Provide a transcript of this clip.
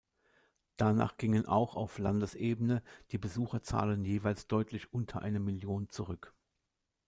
Danach gingen auch auf Landesebene die Besucherzahlen jeweils deutlich unter eine Million zurück.